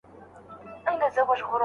د قسم ماتولو کفاره د مريي ازادول دي.